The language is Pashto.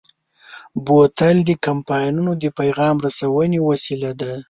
بوتل د کمپاینونو د پیغام رسونې وسیله ده.